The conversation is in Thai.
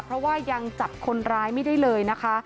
เพราะว่ายังจับคนร้ายไม่ได้เลยนะคะ